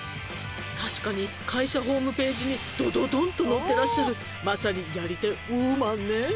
「確かに会社ホームページにドドドンと載ってらっしゃるまさにやり手ウーマンね」